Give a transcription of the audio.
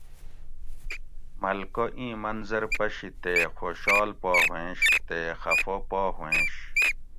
ملکہ ایں منظر پشی تے خوشال پا ہوئنش تے خفہ پا ہوئنش